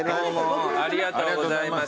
ありがとうございます。